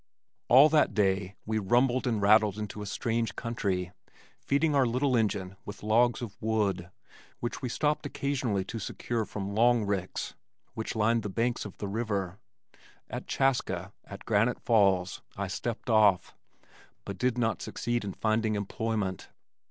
All that day we rumbled and rattled into a strange country, feeding our little engine with logs of wood, which we stopped occasionally to secure from long ricks which lined the banks of the river. At Chaska, at Granite Falls, I stepped off, but did not succeed in finding employment.